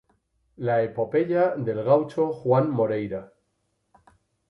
La epopeya del gaucho Juan Moreira".